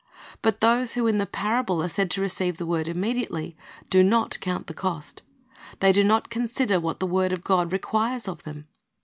But those who in the parable are said to receive the word immediately, do not count the cost. They do not consider what the word of God requires of them.